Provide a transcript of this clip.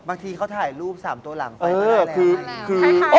บางทีเขาถ่ายรูป๓ตัวหลังไปมาแล้ว